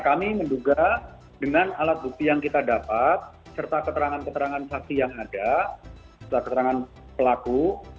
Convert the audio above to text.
kami menduga dengan alat bukti yang kita dapat serta keterangan keterangan saksi yang ada serta keterangan pelaku